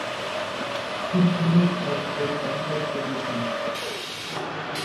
She plays at the centre position.